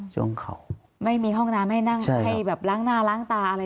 ช่วงเขาไม่มีห้องน้ำให้นั่งให้แบบล้างหน้าล้างตาอะไร